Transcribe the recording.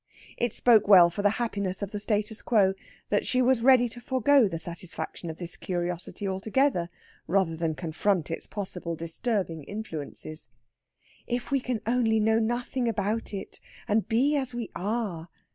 It spoke well for the happiness of the status quo that she was ready to forego the satisfaction of this curiosity altogether rather than confront its possible disturbing influences. "If we can only know nothing about it, and be as we are!"